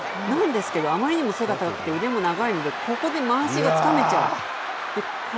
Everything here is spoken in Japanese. なのにあまりにも背が高くて手も長いのでここでまわしをつかめちゃう。